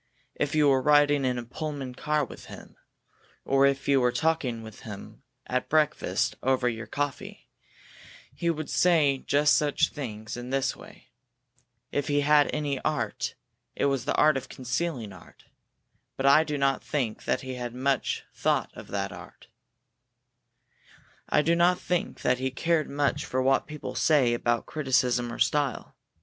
If you were riding in a Pullman car with him, or if you were talking with him at breakfast over your coffee, he would say just such things in just this way. If he had any art, it was the art of concealing art. But I do not think that he thought much of art. I do not think that he cared much for what people say about criticism or style.